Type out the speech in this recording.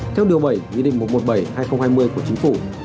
theo điều bảy nghị định một trăm một mươi bảy hai nghìn hai mươi của chính phủ